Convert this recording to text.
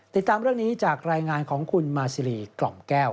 ติดตามเรื่องนี้จากรายงานของคุณมาซีรีกล่อมแก้ว